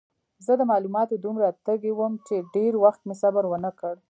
زه د معلوماتو دومره تږی وم چې ډېر وخت مې صبر ونه کړ.